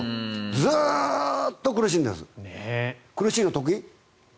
ずっと苦しいんです。